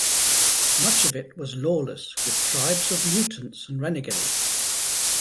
Much of it was lawless with tribes of mutants and renegades.